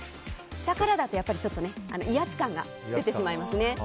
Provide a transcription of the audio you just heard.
下からだと威圧感が出てしまいますね。